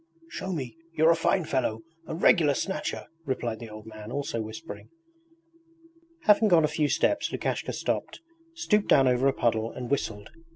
'Show me! You're a fine fellow, a regular Snatcher!' replied the old man, also whispering. Having gone a few steps Lukashka stopped, stooped down over a puddle, and whistled.